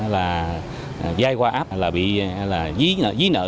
là dai qua app là bị là dí nợ